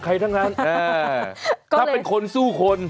ให้เป็นคนสู้คน